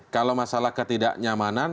kalau masalah ketidaknyamanan